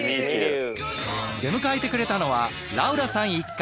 出迎えてくれたのはラウラさん一家。